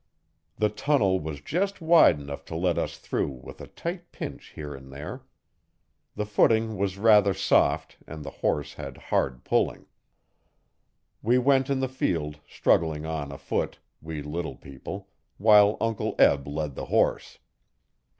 The tunnel was just wide enough to let us through with a tight pinch here and there. The footing was rather soft' and the horse had hard pulling. We went in the field, struggling on afoot we little people while Uncle Eb led the horse.